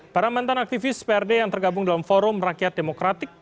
para mantan aktivis prd yang tergabung dalam forum rakyat demokratik